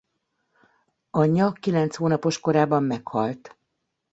Anyja kilenc hónapos korában meghalt.